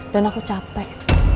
dan aku capek